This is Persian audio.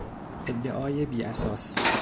ادعای بیاساس